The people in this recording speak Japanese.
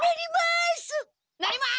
なります！